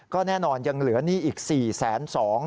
ก็แน่นอนยังเหลือหนี้อีก๔๒๐๐บาท